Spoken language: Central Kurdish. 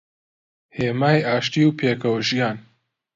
هێمای ئاشتی و پێکەوەژیان